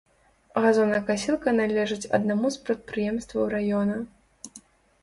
Газонакасілка належыць аднаму з прадпрыемстваў раёна.